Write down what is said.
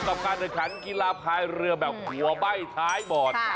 กับการแข่งขันกีฬาพายเรือแบบหัวใบ้ท้ายบอด